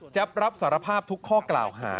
รับสารภาพทุกข้อกล่าวหา